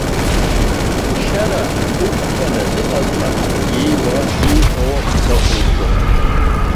Ишьара дықәҟьаны дыҟазма, ииуа, ииҳәо дақәымшәо?